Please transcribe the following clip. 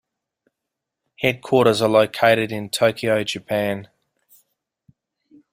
Headquarters are located in Tokyo, Japan.